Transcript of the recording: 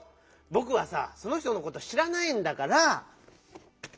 ぼくはさその人のことしらないんだから。